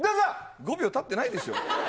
５秒たってないでしょ。